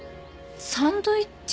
サンドイッチ？